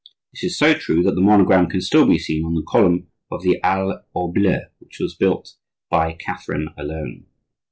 This is so true that the monogram can still be seen on the column of the Halle au Ble, which was built by Catherine alone.